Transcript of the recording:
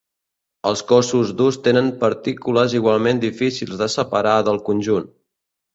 Els cossos durs tenen partícules igualment difícils de separar del conjunt.